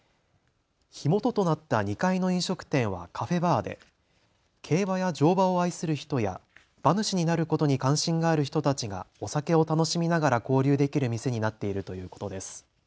火元となった２階の飲食店はカフェバーで競馬や乗馬を愛する人や馬主になることに関心がある人たちがお酒を楽しみながら交流できる店になっているということです。